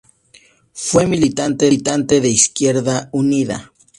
Fue militante de Izquierda Unida.